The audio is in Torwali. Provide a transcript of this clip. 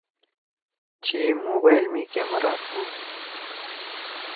چھی مُوبائل می کیمرا تُھو؟